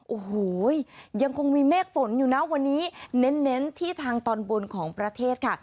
โอ้โหยังคงมีเมฆฝนอยู่นะวันนี้เน้นที่ทางตอนบนของประเทศค่ะ